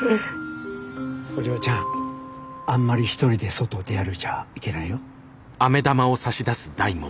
お嬢ちゃんあんまり１人で外を出歩いちゃいけないよ。